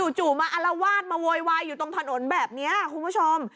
จู่มาอารวาสมาโวยวายอยู่ตรงถนนแบบนี้คุณผู้ชม